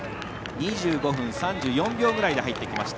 ２５分３４秒ぐらいで入ってきました。